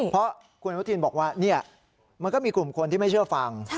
เพราะคุณอนุทินบอกว่ามันก็มีกลุ่มคนที่ไม่เชื่อฟัง